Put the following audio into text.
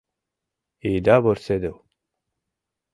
Ида вурседыл.